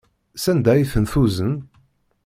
Sanda ay ten-tuzen?